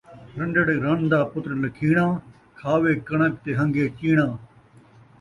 رن٘ڈڑ رن دا پتر لکھیݨاں ، کھاوے کݨک تے ہن٘گے چیݨاں